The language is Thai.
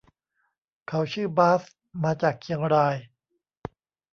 เขาชื่อบาส มาจากเชียงราย